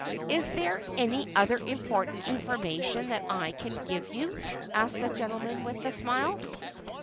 Is there any other important information that I can give you?" asked the gentleman, with a smile.